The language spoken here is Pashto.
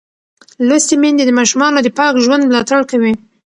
لوستې میندې د ماشومانو د پاک ژوند ملاتړ کوي.